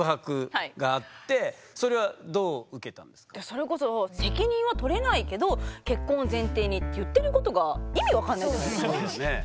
それこそ「責任は取れないけど結婚を前提に」って言ってることが意味分かんないじゃないですか。